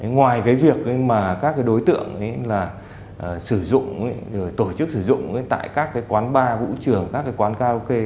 ngoài việc các đối tượng sử dụng tổ chức sử dụng tại các quán bar vũ trường các quán karaoke